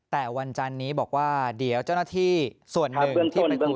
แต่วันจานนี้บอกว่าเดี๋ยวเจ้าหน้าที่ส่วนหนึ่ง